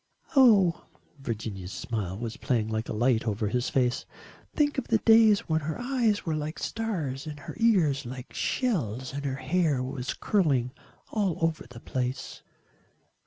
"Oh," Virginia's smile was playing like a light over his face "think of the days when her eyes were like stars and her ears like shells and her hair was curling all over the place."